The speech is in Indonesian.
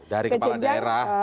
dari kepala daerah